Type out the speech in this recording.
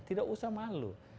tidak usah malu